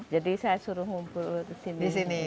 jadi saya suruh ngumpul di sini